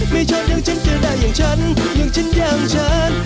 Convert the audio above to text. ไม่ชอบอย่างฉันจะได้อย่างฉันอย่างฉันอย่างฉัน